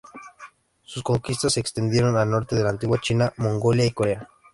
Sus conquistas se extendieron al norte de la antigua China, Mongolia y Corea.